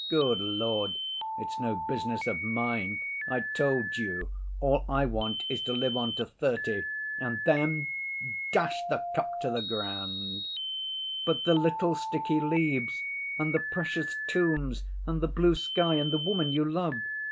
Good Lord, it's no business of mine. I told you, all I want is to live on to thirty, and then ... dash the cup to the ground!" "But the little sticky leaves, and the precious tombs, and the blue sky, and the woman you love!